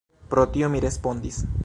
Pro tio mi respondis.